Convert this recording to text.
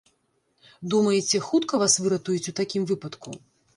Думаеце, хутка вас выратуюць у такім выпадку?